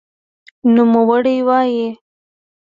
نوموړی وايي